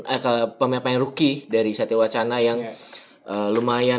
eh ke pemain pemain rookie dari satya wacana yang lumayan